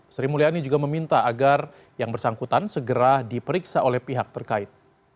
sri mulyani juga meminta agar yang bersangkutan segera diperiksa oleh pihak terkait